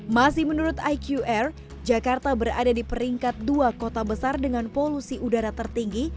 masih menurut iqr jakarta berada di peringkat dua kota besar dengan polusi udara tertinggi